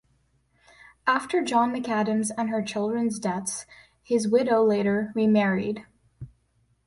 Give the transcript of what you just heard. After John Macadam's and her children's deaths his widow later remarried.